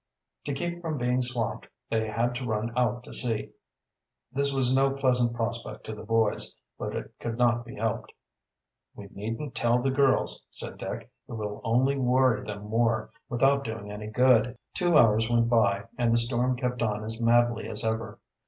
To keep from, being swamped they had to run out to sea. This was no pleasant prospect to the boys, but it could not be helped. "We needn't tell the girls," said Dick. "It will only worry them more, without doing any good." Two hours went by, and the storm kept on as madly as ever.